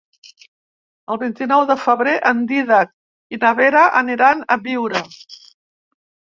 El vint-i-nou de febrer en Dídac i na Vera aniran a Biure.